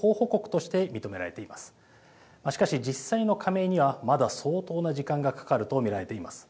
しかし、実際の加盟にはまだ相当な時間がかかると見られています。